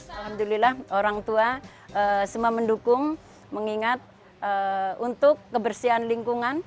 alhamdulillah orang tua semua mendukung mengingat untuk kebersihan lingkungan